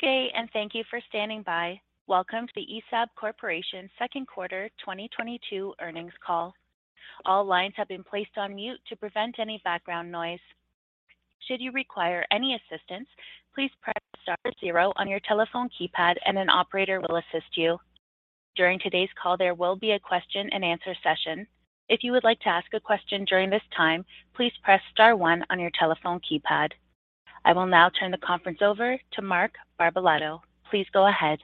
Good day, and thank you for standing by. Welcome to the ESAB Corporation Second Quarter 2022 Earnings Call. All lines have been placed on mute to prevent any background noise. Should you require any assistance, please press star zero on your telephone keypad, and an operator will assist you. During today's call, there will be a question and answer session. If you would like to ask a question during this time, please press star one on your telephone keypad. I will now turn the conference over to Mark Barbalato. Please go ahead.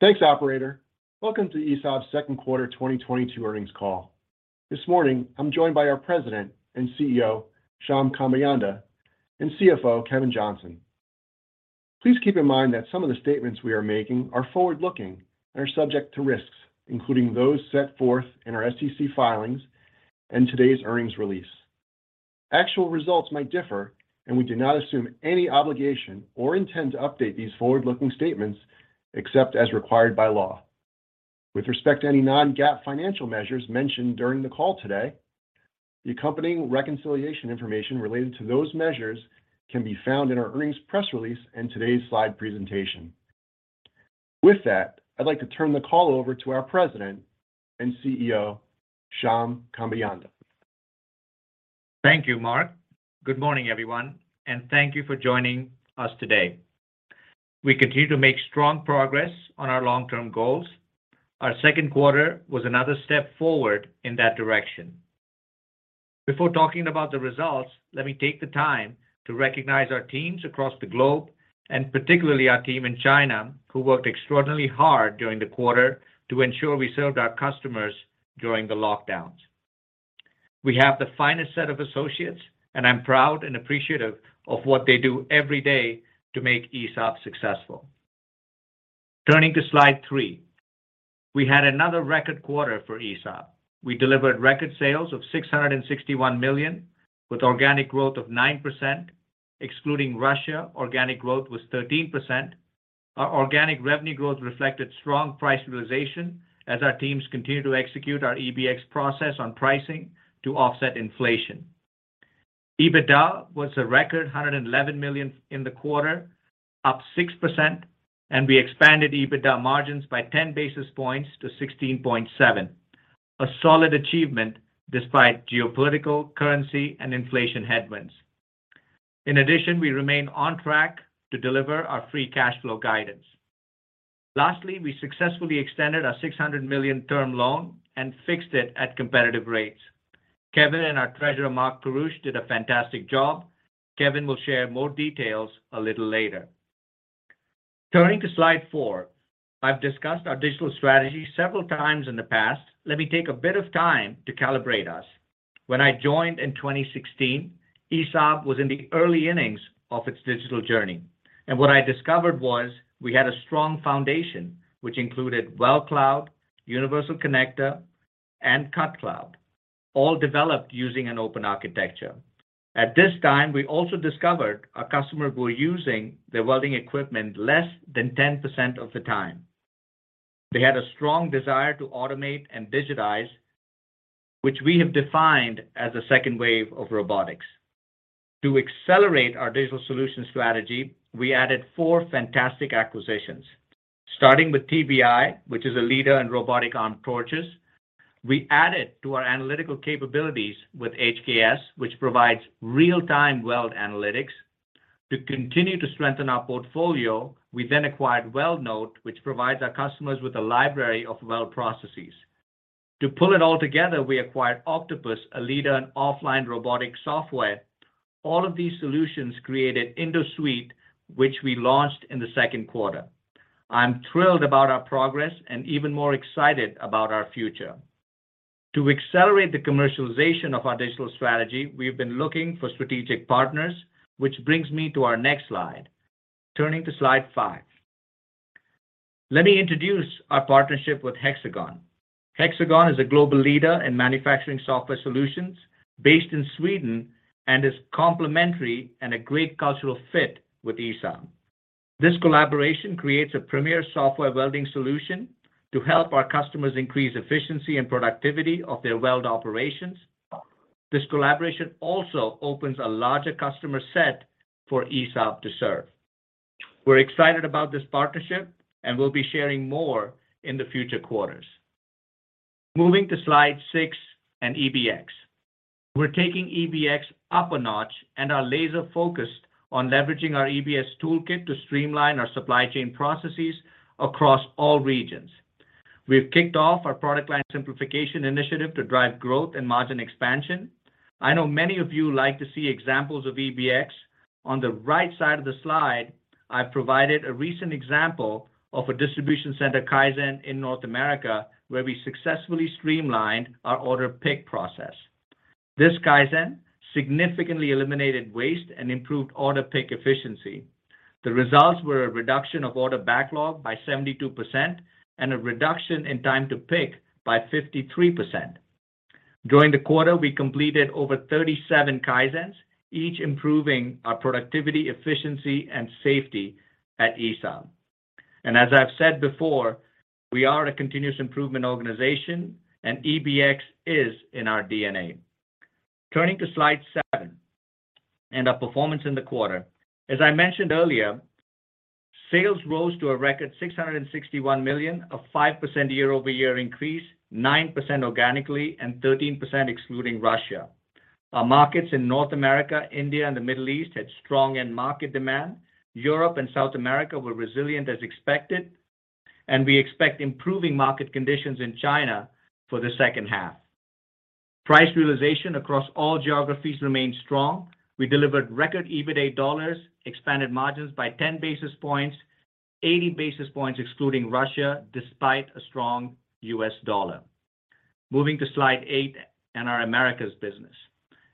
Thanks, operator. Welcome to ESAB's second quarter 2022 earnings call. This morning, I'm joined by our President and CEO, Shyam Kambeyanda, and CFO, Kevin Johnson. Please keep in mind that some of the statements we are making are forward-looking and are subject to risks, including those set forth in our SEC filings and today's earnings release. Actual results might differ, and we do not assume any obligation or intend to update these forward-looking statements except as required by law. With respect to any non-GAAP financial measures mentioned during the call today, the accompanying reconciliation information related to those measures can be found in our earnings press release and today's slide presentation. With that, I'd like to turn the call over to our President and CEO, Shyam Kambeyanda. Thank you, Mark. Good morning, everyone, and thank you for joining us today. We continue to make strong progress on our long-term goals. Our second quarter was another step forward in that direction. Before talking about the results, let me take the time to recognize our teams across the globe, and particularly our team in China, who worked extraordinarily hard during the quarter to ensure we served our customers during the lockdowns. We have the finest set of associates, and I'm proud and appreciative of what they do every day to make ESAB successful. Turning to slide 3. We had another record quarter for ESAB. We delivered record sales of $661 million with organic growth of 9%. Excluding Russia, organic growth was 13%. Our organic revenue growth reflected strong price realization as our teams continue to execute our EBX process on pricing to offset inflation. EBITDA was a record $111 million in the quarter, up 6%, and we expanded EBITDA margins by 10 basis points to 16.7%, a solid achievement despite geopolitical, currency, and inflation headwinds. In addition, we remain on track to deliver our free cash flow guidance. Lastly, we successfully extended our $600 million term loan and fixed it at competitive rates. Kevin and our treasurer, Mark Kurish, did a fantastic job. Kevin will share more details a little later. Turning to slide 4. I've discussed our digital strategy several times in the past. Let me take a bit of time to calibrate us. When I joined in 2016, ESAB was in the early innings of its digital journey, and what I discovered was we had a strong foundation, which included WeldCloud, Universal Connector, and CutCloud, all developed using an open architecture. At this time, we also discovered our customers were using their welding equipment less than 10% of the time. They had a strong desire to automate and digitize, which we have defined as a second wave of robotics. To accelerate our digital solution strategy, we added four fantastic acquisitions. Starting with TBi, which is a leader in robotic arm torches, we added to our analytical capabilities with HKS, which provides real-time weld analytics. To continue to strengthen our portfolio, we then acquired WeldNote, which provides our customers with a library of weld processes. To pull it all together, we acquired OCTOPUZ, a leader in offline robotic software. All of these solutions created InduSuite, which we launched in the second quarter. I'm thrilled about our progress and even more excited about our future. To accelerate the commercialization of our digital strategy, we've been looking for strategic partners, which brings me to our next slide. Turning to slide five. Let me introduce our partnership with Hexagon. Hexagon is a global leader in manufacturing software solutions based in Sweden and is complementary and a great cultural fit with ESAB. This collaboration creates a premier software welding solution to help our customers increase efficiency and productivity of their weld operations. This collaboration also opens a larger customer set for ESAB to serve. We're excited about this partnership, and we'll be sharing more in the future quarters. Moving to slide six and EBX. We're taking EBX up a notch and are laser focused on leveraging our EBS toolkit to streamline our supply chain processes across all regions. We've kicked off our product line simplification initiative to drive growth and margin expansion. I know many of you like to see examples of EBX. On the right side of the slide, I've provided a recent example of a distribution center Kaizen in North America, where we successfully streamlined our order pick process. This Kaizen significantly eliminated waste and improved order pick efficiency. The results were a reduction of order backlog by 72% and a reduction in time to pick by 53%. During the quarter, we completed over 37 Kaizens, each improving our productivity, efficiency, and safety at ESAB. As I've said before, we are a continuous improvement organization, and EBX is in our DNA. Turning to slide 7 and our performance in the quarter. As I mentioned earlier, sales rose to a record $661 million, a 5% year-over-year increase, 9% organically, and 13% excluding Russia. Our markets in North America, India, and the Middle East had strong end market demand. Europe and South America were resilient as expected. We expect improving market conditions in China for the second half. Price realization across all geographies remained strong. We delivered record EBITA dollars, expanded margins by 10 basis points, 80 basis points excluding Russia, despite a strong US dollar. Moving to slide 8 and our Americas business.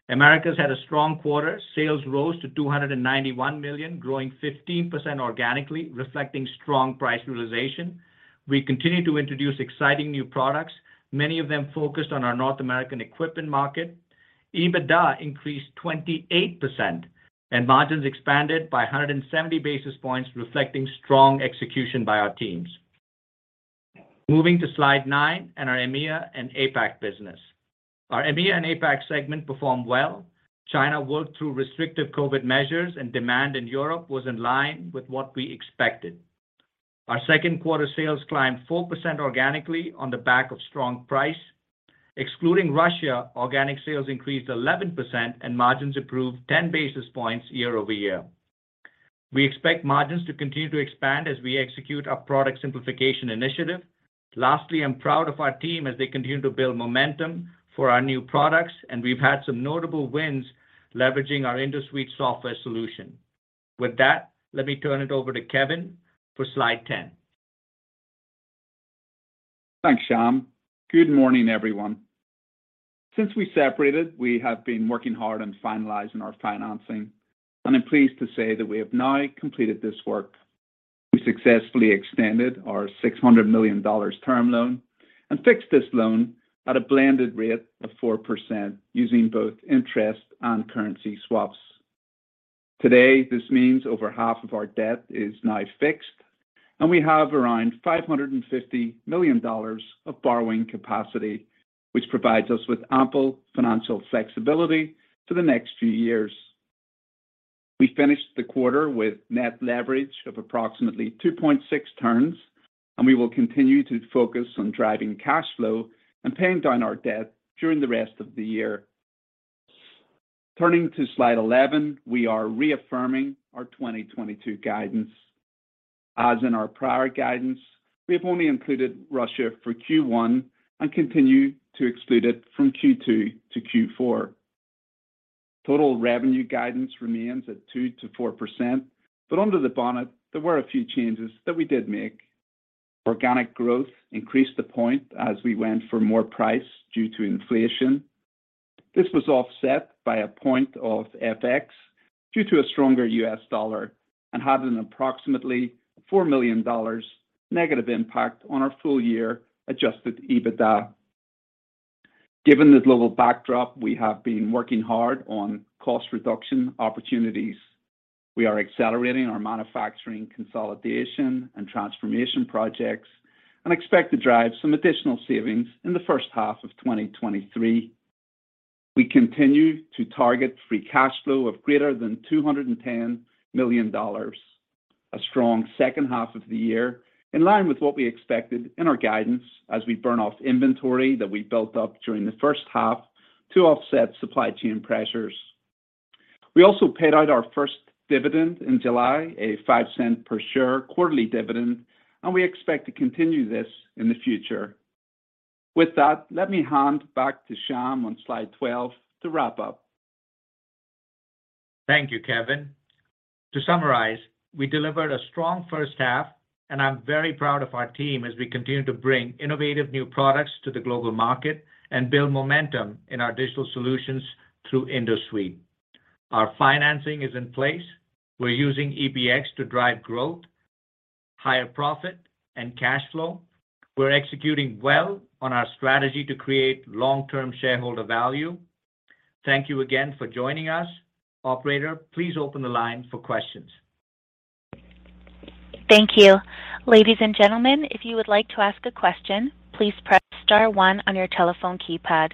Americas had a strong quarter. Sales rose to $291 million, growing 15% organically, reflecting strong price realization. We continue to introduce exciting new products, many of them focused on our North American equipment market. EBITDA increased 28% and margins expanded by 170 basis points, reflecting strong execution by our teams. Moving to slide 9 and our EMEA and APAC business. Our EMEA and APAC segment performed well. China worked through restrictive COVID measures, and demand in Europe was in line with what we expected. Our second quarter sales climbed 4% organically on the back of strong price. Excluding Russia, organic sales increased 11% and margins improved 10 basis points year-over-year. We expect margins to continue to expand as we execute our product simplification initiative. Lastly, I'm proud of our team as they continue to build momentum for our new products, and we've had some notable wins leveraging our InduSuite software solution. With that, let me turn it over to Kevin for slide 10. Thanks, Shyam. Good morning, everyone. Since we separated, we have been working hard on finalizing our financing, and I'm pleased to say that we have now completed this work. We successfully extended our $600 million term loan and fixed this loan at a blended rate of 4% using both interest and currency swaps. Today, this means over half of our debt is now fixed, and we have around $550 million of borrowing capacity, which provides us with ample financial flexibility for the next few years. We finished the quarter with net leverage of approximately 2.6 turns, and we will continue to focus on driving cash flow and paying down our debt during the rest of the year. Turning to slide 11, we are reaffirming our 2022 guidance. As in our prior guidance, we have only included Russia for Q1 and continue to exclude it from Q2 to Q4. Total revenue guidance remains at 2%-4%. Under the bonnet, there were a few changes that we did make. Organic growth increased a point as we went for more price due to inflation. This was offset by a point of FX due to a stronger U.S. dollar and had an approximately $4 million negative impact on our full year adjusted EBITDA. Given this little backdrop, we have been working hard on cost reduction opportunities. We are accelerating our manufacturing consolidation and transformation projects and expect to drive some additional savings in the first half of 2023. We continue to target free cash flow of greater than $210 million. A strong second half of the year, in line with what we expected in our guidance as we burn off inventory that we built up during the first half to offset supply chain pressures. We also paid out our first dividend in July, a $0.05 per share quarterly dividend, and we expect to continue this in the future. With that, let me hand back to Shyam on slide 12 to wrap up. Thank you, Kevin. To summarize, we delivered a strong first half, and I'm very proud of our team as we continue to bring innovative new products to the global market and build momentum in our digital solutions through InduSuite. Our financing is in place. We're using EBX to drive growth, higher profit, and cash flow. We're executing well on our strategy to create long-term shareholder value. Thank you again for joining us. Operator, please open the line for questions. Thank you. Ladies and gentlemen, if you would like to ask a question, please press star one on your telephone keypad.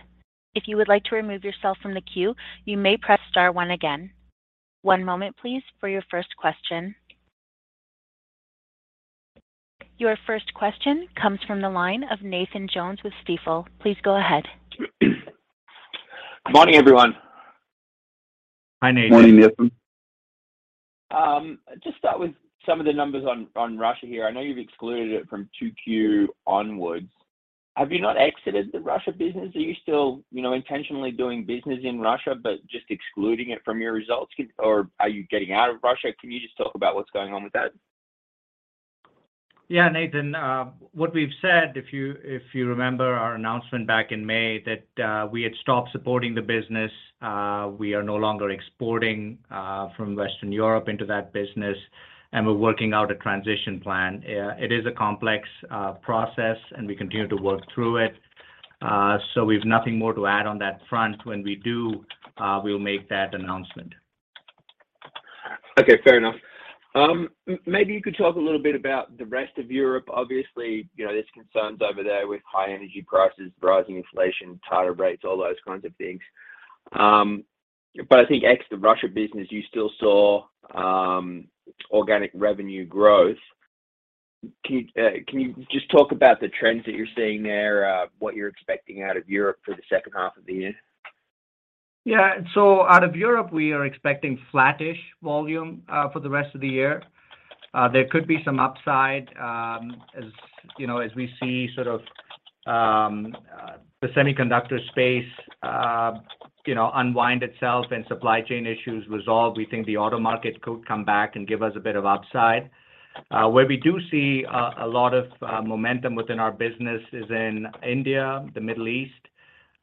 If you would like to remove yourself from the queue, you may press star one again. One moment, please, for your first question. Your first question comes from the line of Nathan Jones with Stifel. Please go ahead. Good morning, everyone. Hi, Nathan. Morning, Nathan. Just start with some of the numbers on Russia here. I know you've excluded it from 2Q onwards. Have you not exited the Russia business? Are you still, you know, intentionally doing business in Russia, but just excluding it from your results? Or are you getting out of Russia? Can you just talk about what's going on with that? Yeah, Nathan, what we've said, if you remember our announcement back in May, that we had stopped supporting the business. We are no longer exporting from Western Europe into that business, and we're working out a transition plan. It is a complex process and we continue to work through it. We've nothing more to add on that front. When we do, we'll make that announcement. Okay, fair enough. Maybe you could talk a little bit about the rest of Europe. Obviously, you know, there's concerns over there with high energy prices, rising inflation, tighter rates, all those kinds of things. I think ex the Russia business, you still saw organic revenue growth. Can you just talk about the trends that you're seeing there, what you're expecting out of Europe for the second half of the year? Yeah. Out of Europe, we are expecting flattish volume for the rest of the year. There could be some upside, as you know, as we see sort of the semiconductor space you know unwind itself and supply chain issues resolve. We think the auto market could come back and give us a bit of upside. Where we do see a lot of momentum within our business is in India, the Middle East,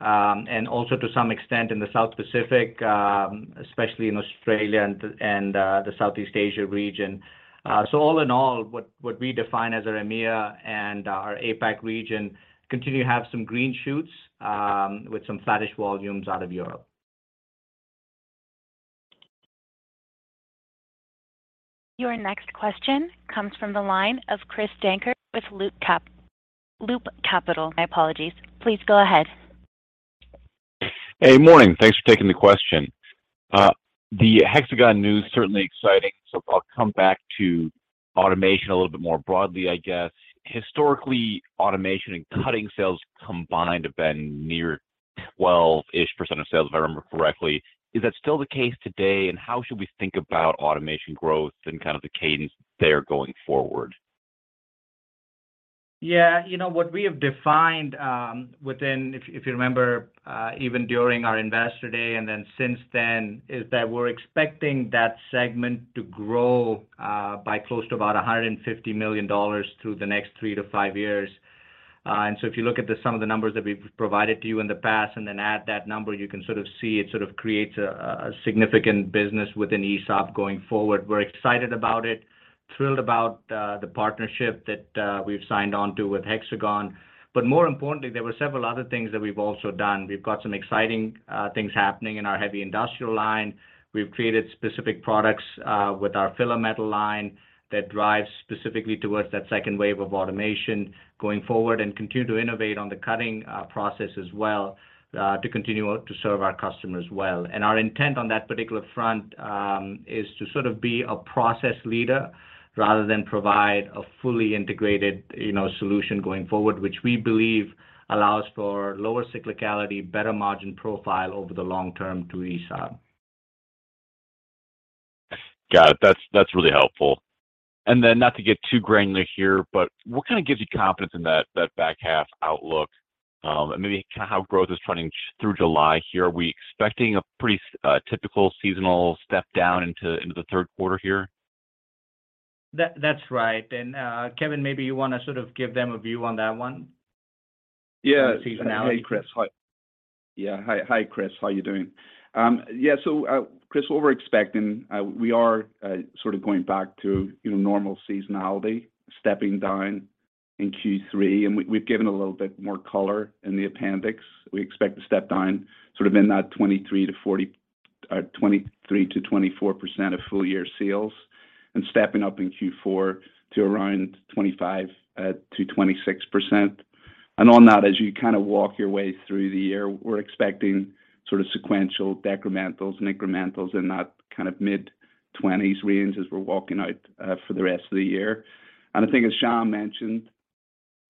and also to some extent in the South Pacific, especially in Australia and the Southeast Asia region. All in all, what we define as our EMEIA and our APAC region continue to have some green shoots with some flattish volumes out of Europe. Your next question comes from the line of Christopher Dankert with Loop Capital. My apologies. Please go ahead. Hey. Morning. Thanks for taking the question. The Hexagon news, certainly exciting, so I'll come back to automation a little bit more broadly, I guess. Historically, automation and cutting sales combined have been near 12-ish% of sales, if I remember correctly. Is that still the case today? How should we think about automation growth and kind of the cadence there going forward? Yeah. You know what we have defined within if you remember even during our Investor Day and then since then is that we're expecting that segment to grow by close to about $150 million through the next 3-5 years. If you look at some of the numbers that we've provided to you in the past and then add that number, you can sort of see it creates a significant business within ESAB going forward. We're excited about it, thrilled about the partnership that we've signed on to with Hexagon. More importantly, there were several other things that we've also done. We've got some exciting things happening in our heavy industrial line. We've created specific products with our filler metal line that drives specifically towards that second wave of automation going forward and continue to innovate on the cutting process as well to continue to serve our customers well. Our intent on that particular front is to sort of be a process leader rather than provide a fully integrated, you know, solution going forward, which we believe allows for lower cyclicality, better margin profile over the long term to ESAB. Got it. That's really helpful. Then not to get too granular here, but what kinda gives you confidence in that back half outlook? Maybe kinda how growth is trending through July here. Are we expecting a pretty typical seasonal step down into the third quarter here? That's right. Kevin, maybe you wanna sort of give them a view on that one. Yeah. On the seasonality piece. Hey, Chris. Hi. Yeah. Hi, Chris. How you doing? Yeah. Chris, what we're expecting, we are sort of going back to, you know, normal seasonality, stepping down in Q3. We’ve given a little bit more color in the appendix. We expect to step down sort of in that 23%-24% of full year sales and stepping up in Q4 to around 25%-26%. On that, as you kinda walk your way through the year, we're expecting sort of sequential decrementals and incrementals in that kind of mid-20s range as we're walking out for the rest of the year. I think as Shyam mentioned,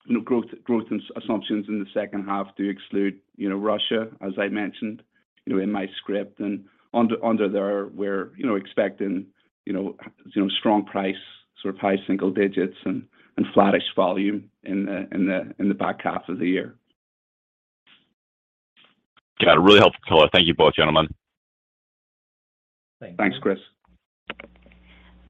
you know, growth assumptions in the second half do exclude, you know, Russia, as I mentioned, you know, in my script. Under there we're, you know, expecting, you know, strong price, sort of high single digits% and flattish volume in the back half of the year. Yeah, really helpful color. Thank you both, gentlemen. Thank you. Thanks, Chris.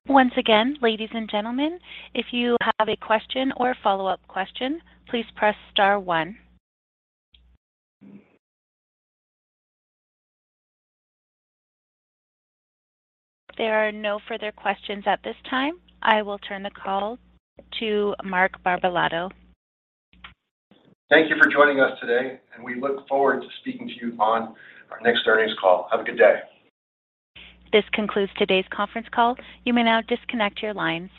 Once again, ladies and gentlemen, if you have a question or a follow-up question, please press star one. There are no further questions at this time. I will turn the call to Mark Barbalato. Thank you for joining us today, and we look forward to speaking to you on our next earnings call. Have a good day. This concludes today's conference call. You may now disconnect your lines.